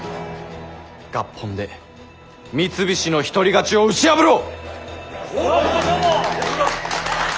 合本で三菱の独り勝ちを打ち破ろう！